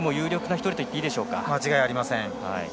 間違いありません。